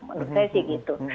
menurut saya sih gitu